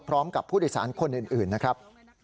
พร้อมกับผู้โดยสารคนอื่นนะครับ